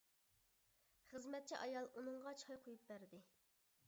خىزمەتچى ئايال ئۇنىڭغا چاي قۇيۇپ بەردى.